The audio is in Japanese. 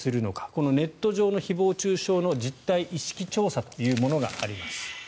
このネット上の誹謗・中傷の実態意識調査というのがあります。